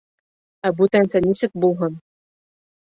Ә бүтәнсә нисек булһын?!